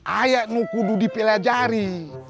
ayak nukudu di pelajari